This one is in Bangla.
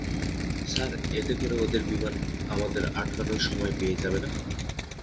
স্যার, এতে করে ওদের বিমান আমাদের আটকানোর সময় পেয়ে যাবে না?